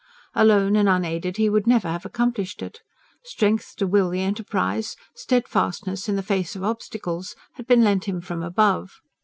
Alone and unaided he could never have accomplished it. Strength to will the enterprise, steadfastness in the face of obstacles had been lent him from above.